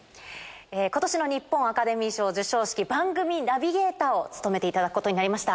今年の日本アカデミー賞授賞式番組ナビゲーターを務めていただくことになりました。